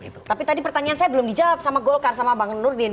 tapi tadi pertanyaan saya belum dijawab sama golkar sama bang nurdin